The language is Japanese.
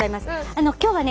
あの今日はね